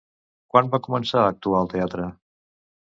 Quan va començar a actuar al teatre?